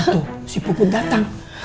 tuh si puput datang